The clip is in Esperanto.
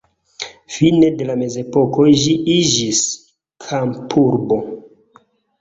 Fine de la mezepoko ĝi iĝis kampurbo.